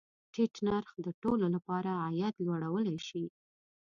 ټیټ نرخ د ټولو له پاره عاید لوړولی شي.